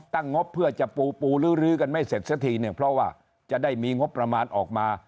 งบเพื่อจะปูปูลื้อกันไม่เสร็จสักทีเนี่ยเพราะว่าจะได้มีงบประมาณออกมา